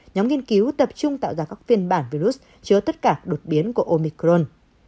nhóm nghiên cứu tập trung tạo ra các phiên bản virus chứa tất cả đột biến của omicron